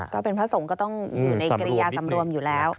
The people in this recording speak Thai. ก็เป็นพระสงฆ์ก็ต้องอยู่ในกริยาสำรวมอยู่แล้ว